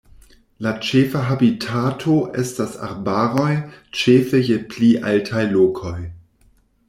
La ĉefa habitato estas arbaroj, ĉefe je pli altaj lokoj.